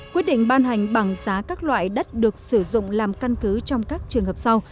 quyết định ban hành bảng giá các loại đất được sử dụng làm căn cứ trong các trường hợp sau